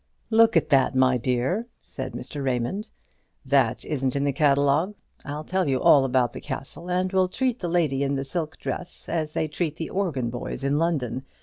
"Look at that, my dear," said Mr. Raymond; "that isn't in the catalogue. I'll tell you all about the castle: and we'll treat the lady in the silk dress as they treat the organ boys in London.